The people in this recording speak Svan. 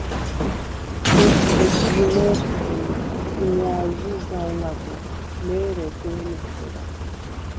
დეც ეჯჟი მე̄ფხე ლი, იმუ̂ა̄̈ჲჟი ზაუ̂ლადეღ, მე̄რე დე̄მე თერა.